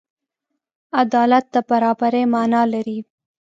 عدالت د برابري معنی لري.